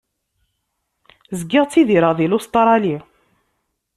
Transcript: Zgiɣ ttidireɣ di Lustṛali.